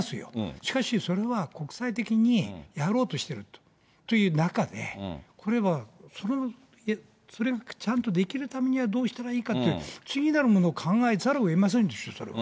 しかしそれは国際的にやろうとしているという中で、これはそれがちゃんとできるためにはどうしたらいいかっていう次なるものを考えざるをえませんでしょ、それは。